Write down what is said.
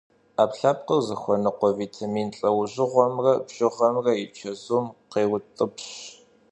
Ӏэпкълъэпкъыр зыхуэныкъуэ витамин лӏэужьыгъуэмрэ бжыгъэмрэ и чэзум къеутӏыпщ.